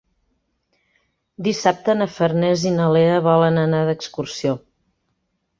Dissabte na Farners i na Lea volen anar d'excursió.